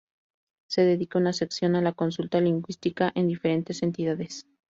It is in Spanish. Se dedica una sección a la consulta lingüística en diferentes entidades.